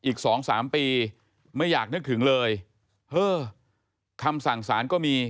อีกสองสามปี